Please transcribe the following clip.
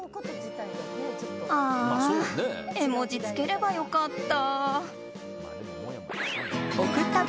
あー、絵文字つければ良かった。